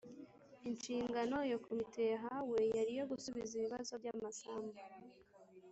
Inshingano iyo Komite yahawe yari iyo gusubiza ibibazo by’amasambu